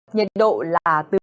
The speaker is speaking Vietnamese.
nhiệt độ là từ một mươi